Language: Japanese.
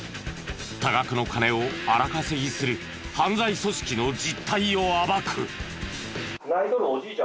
多額の金を荒稼ぎする犯罪組織の実態を暴く。